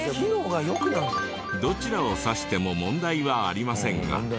どちらを挿しても問題はありませんが。